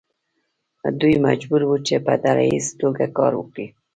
دوی مجبور وو چې په ډله ایزه توګه کار وکړي.